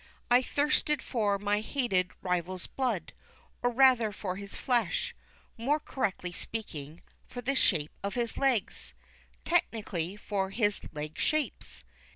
I thirsted for my hated rival's blood, or rather for his flesh, more correctly speaking, for the shape of his legs technically, for his "leg shapes."